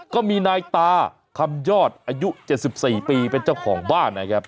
ก็มีนายตาคำยอดอายุ๗๔ปีเป็นเจ้าของบ้านนะครับ